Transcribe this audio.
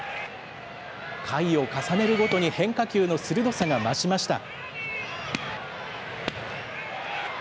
回を重ねるごとに変化球の鋭さが増しました。